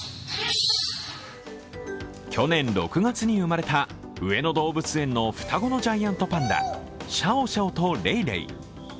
去年６月に生まれた上野動物園の双子のジャイアントパンダ、シャオシャオとレイレイ。